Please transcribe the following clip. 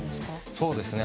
そうですね